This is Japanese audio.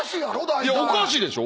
おかしいでしょ？